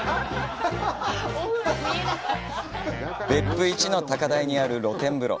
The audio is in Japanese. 別府一の高台にある露天風呂。